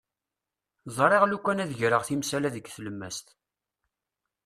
Ẓriɣ lukan ad d-greɣ timsal-a deg tlemmast.